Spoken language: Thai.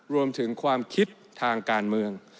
รวมถึงความคิดทางการเมือง